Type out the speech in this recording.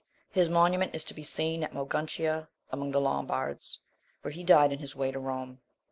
His monument is to be seen at Moguntia (among the Lombards), where he died in his way to Rome.